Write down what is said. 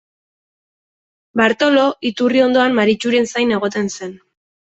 Bartolo iturri ondoan Maritxuren zain egoten zen.